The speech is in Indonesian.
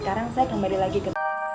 sekarang saya kembali lagi ke